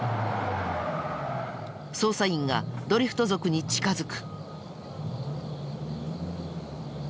捜査員がドリフト族に近づく。